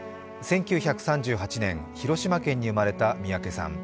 １９３８年、広島県に生まれた三宅さん。